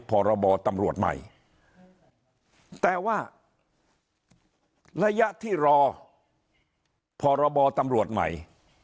พรบตำรวจใหม่แต่ว่าระยะที่รอพรบตำรวจใหม่